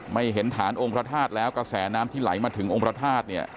ไม่เห็นฐานองค์พระธาตุแล้วกระแสน้ำที่ไหลมาถึงองค์พระธาตุเนี่ย